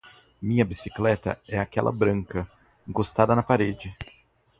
Minha bicicleta é aquela branca encostada na parede.